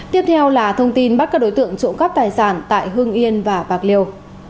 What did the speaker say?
tiếp theo là thông tin bắt các đối tượng trộm cắp tài sản tại hưng yên và bạc liêu